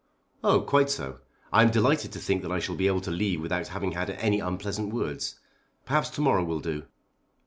"Oh; quite so. I am delighted to think that I shall be able to leave without having had any unpleasant words. Perhaps to morrow will do?"